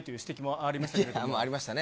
ありましたね。